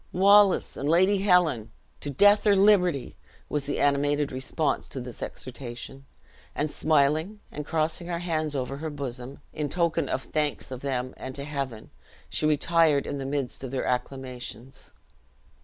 "Wallace and Lady Helen! to death or liberty!" was the animated response to this exhortation; and smiling and crossing her hands over her bosom, in token of thanks of them and to Heaven, she retired in the midst of their acclamations.